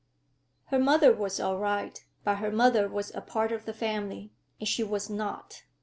Her mother was all right, but her mother was a part of the family, and she was not.